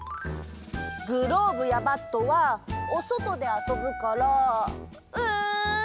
グローブやバットはおそとであそぶからうんどうしよっかな？